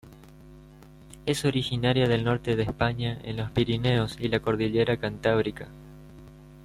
Es originaria del norte de España en los Pirineos y la cordillera Cantábrica.